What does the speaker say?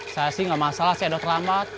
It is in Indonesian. saya sih nggak masalah si edo terlambat